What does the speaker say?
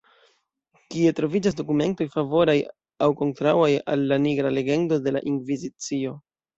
Kie troviĝas dokumentoj favoraj aŭ kontraŭaj al la Nigra legendo de la Inkvizicio.